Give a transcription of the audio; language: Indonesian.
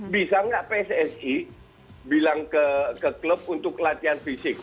bisa nggak pssi bilang ke klub untuk latihan fisik